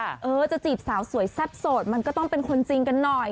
เออจะจีบสาวสวยแซ่บโสดมันก็ต้องเป็นคนจริงกันหน่อย